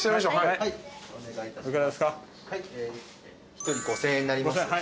１人５，０００円になります。